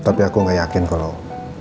tapi aku gak yakin kalau